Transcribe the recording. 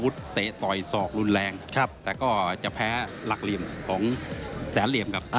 แต่ก็จะแพ้หลักเหลี่ยมของแสนเหลี่ยม